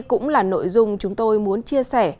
cũng là nội dung chúng tôi muốn chia sẻ